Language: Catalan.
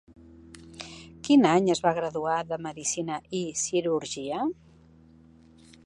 Quin any es va graduar de Medicina i Cirugia?